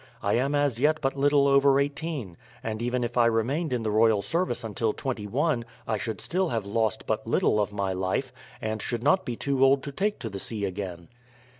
I am as yet but little over eighteen, and even if I remained in the royal service until twenty one I should still have lost but little of my life, and should not be too old to take to the sea again.